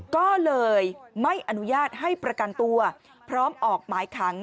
ก็เลยไม่อนุญาตให้ประกันตัวพร้อมออกหมายขัง